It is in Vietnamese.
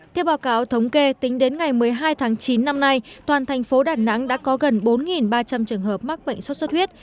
theo báo cáo thống kê tính đến ngày một mươi hai tháng chín năm nay toàn thành phố đà nẵng đã có gần bốn ba trăm linh trường hợp mắc bệnh xuất xuất huyết